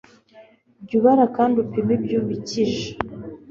jya ubara kandi upime ibyo ubikije